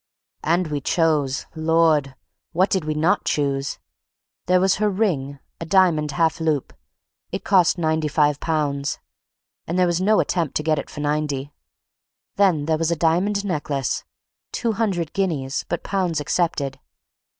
And we chose—lord! What did we not choose? There was her ring, a diamond half hoop. It cost £95, and there was no attempt to get it for £90. Then there was a diamond necklet—two hundred guineas, but pounds accepted.